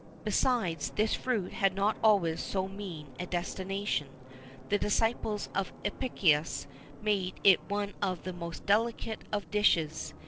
[XIV 5] Besides, this fruit had not always so mean a destination: the disciples of Apicius made of it one of the most delicate of dishes.